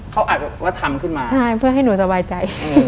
เขาอาจจะแบบว่าทำขึ้นมาใช่เพื่อให้หนูสบายใจ